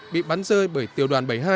bị bắn rơi bởi tiểu đoàn bảy mươi hai